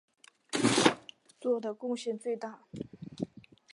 做的贡献最大。